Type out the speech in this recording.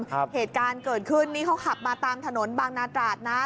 เหตุการณ์เกิดขึ้นนี่เขาขับมาตามถนนบางนาตราดนะ